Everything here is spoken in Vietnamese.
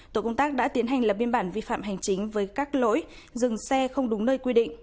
tổ công tác đã tiến hành lập biên bản vi phạm hành chính với các lỗi dừng xe không đúng nơi quy định